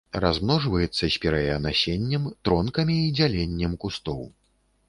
Размножваецца спірэя насеннем, тронкамі і дзяленнем кустоў.